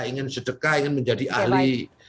ingin sedekah ingin menjadi ahli